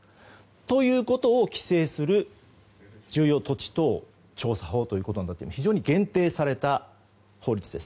ということを、規制する重要土地等調査法だということで非常に限定された法律です。